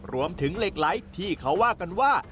เหล็กไหลที่เขาว่ากันว่า